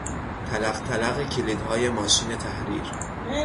تلقتلق کلیدهای ماشین تحریر